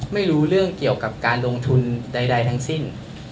ไม่รู้เรื่องเกี่ยวกับการลงทุนใดทั้งสิ้น